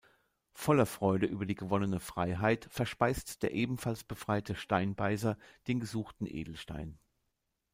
Voller Freude über die gewonnene Freiheit verspeist der ebenfalls befreite „Steinbeißer“ den gesuchten Edelstein.